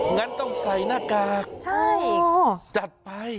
งั้นต้องใส่หน้ากากจัดไป